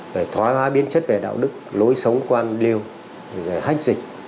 về thoá biến chất về đạo đức lối sống quan liêu hạch dịch